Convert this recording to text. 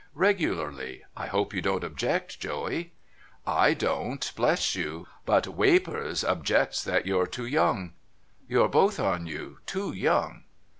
' Regularly. I hope you don't object, Joey ?' '/don't, bless you. But Wapours objects that you're too young. You're both on you too young.'